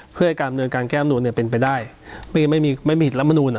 เพื่อให้การบริเวณการแก้มนูญเนี่ยเป็นไปได้ไม่ไม่มีไม่มีเหตุละมนูญอ่ะ